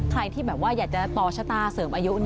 ใครที่แบบว่าอยากจะต่อชะตาเสริมอายุ